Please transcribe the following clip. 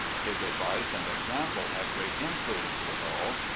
His advice and example had great influence with all.